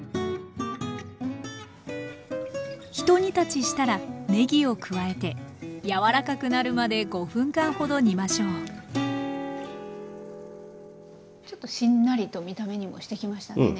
ひと煮立ちしたらねぎを加えて柔らかくなるまで５分間ほど煮ましょうちょっとしんなりと見た目にもしてきましたね